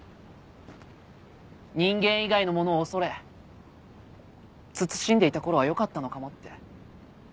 人間以外のものを恐れ慎んでいた頃は良かったのかもって。